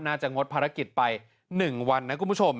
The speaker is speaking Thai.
น่าจะงดภารกิจไป๑วันคุณผู้ชม